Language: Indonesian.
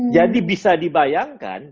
jadi bisa dibayangkan